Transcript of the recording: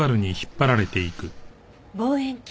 望遠鏡。